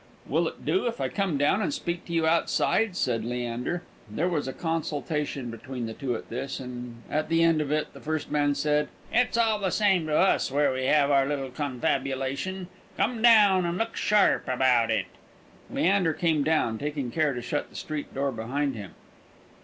"Will it do if I come down and speak to you outside?" said Leander. There was a consultation between the two at this, and at the end of it the first man said: "It's all the same to us, where we have our little confabulation. Come down, and look sharp about it!" Leander came down, taking care to shut the street door behind him.